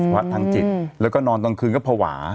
มิสุพะทางจิตแล้วก็นอนตอนคืนก็ผวา